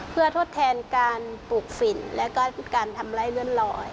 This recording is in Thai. เพื่อทดแทนการปลูกฝิ่นแล้วก็การทำไล่เลื่อนลอย